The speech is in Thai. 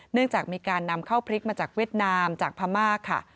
เนื่องจากมีการนำเข้าพริกมาจากเวียดนามจากพม่าค่ะ